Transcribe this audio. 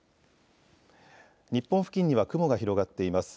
日本付近には雲が広がっています。